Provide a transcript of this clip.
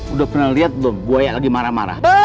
udah pernah liat belum gue lagi marah marah